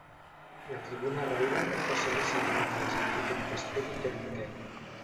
La tribuna Ryder va ser dissenyada pels arquitectes Peck i Kemter.